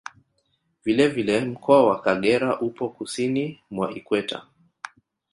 Vile vile mkoa wa Kagera upo Kusini mwa Ikweta